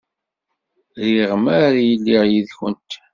Riɣ mi ara iliɣ yid-went.